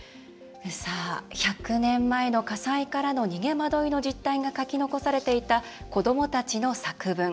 １００年前の火災からの逃げ惑いの実態が書き残されていた子どもたちの作文。